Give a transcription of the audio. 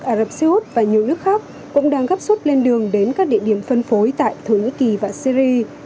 ả rập xê út và nhiều nước khác cũng đang gấp rút lên đường đến các địa điểm phân phối tại thổ nhĩ kỳ và syri